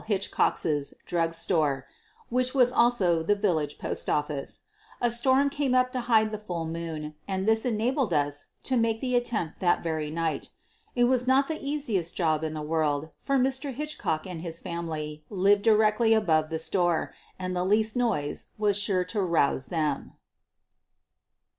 Hitchcock's drug store, which was also the village postoffice. A storm came up to hide the full moon, and this en abled us to make the attempt that very night. It was not the easiest job in the world, for Mr. Hitch cock and his family lived directly above the store and the least noise was sure to rouse them.